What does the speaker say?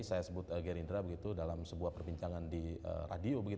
saya sebut gerindra begitu dalam sebuah perbincangan di radio